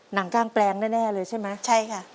หนังกลางแปลงแน่เลยใช่ไหมใช่ค่ะ